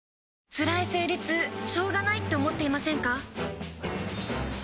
つらい生理痛しょうがないって思っていませんか？